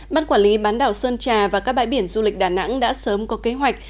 ban quản lý bán đảo sơn trà và các bãi biển du lịch đà nẵng đã sớm có kế hoạch